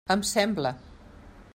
Em sembla.